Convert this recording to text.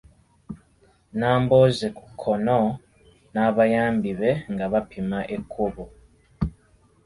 Nambooze (ku kkono) n’abayambi be nga bapima ekkubo.